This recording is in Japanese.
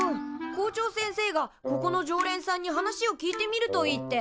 校長先生が「ここの常連さんに話を聞いてみるといい」って。